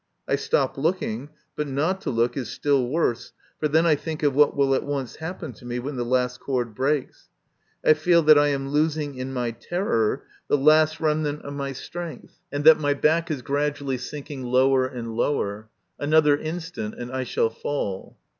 I stop looking, but not to look is still worse, for then I think of what will at once happen to me when the last cord breaks. I feel that I am losing in my terror the last remnant of MY CONFESSION. 147 my strength, and that my back is gradually sinking lower and lower. Another instant, and I shall fall.